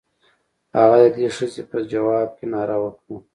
هغه د دې ښځې په ځواب کې ناره وکړه.